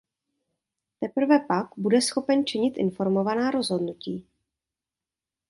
Teprve pak bude schopen činit informovaná rozhodnutí.